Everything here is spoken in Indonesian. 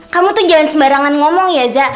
kamu tuh jalan sembarangan ngomong ya za